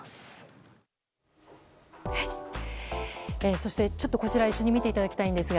そして、こちらを一緒に見ていただきたいんですが。